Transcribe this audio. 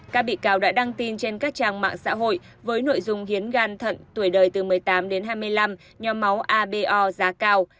các bị cáo đã đăng tin trên các trang mạng xã hội với nội dung hiến gan thận tuổi đời từ một mươi tám đến hai mươi năm nhóm máu abo giá cao